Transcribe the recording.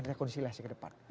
dikonsiliasi ke depan